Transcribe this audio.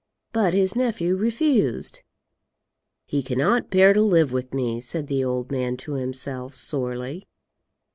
But his nephew refused. "He cannot bear to live with me," said the old man to himself sorely.